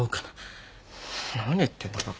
何言ってんだ。